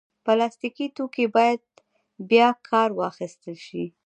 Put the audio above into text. پلاستيکي توکي باید بیا کار واخیستل شي.